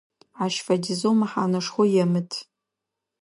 Ащ фэдизэу мэхьанэшхо емыт.